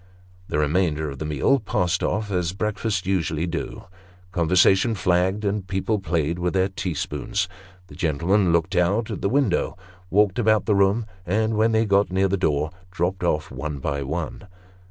The remainder of the meal passed off as breakfasts usually do. Conversation flagged, and people played with their tea spoons. The gentlemen looked out at the window; walked about the room; and, when they got near the door, dropped off one by one.